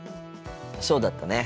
そうだったね。